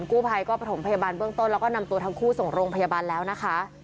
กู้ภัยก็ประถมพยาบาลเบื้องต้นแล้วก็นำตัวทั้งคู่ส่งโรงพยาบาลแล้วนะคะ